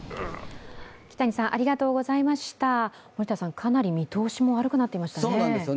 かなり見通しも悪くなっていましたね。